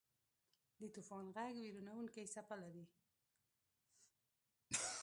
د طوفان ږغ وېرونکې څپه لري.